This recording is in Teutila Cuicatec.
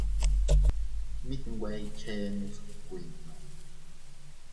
Mit nwe iychennos kuinno.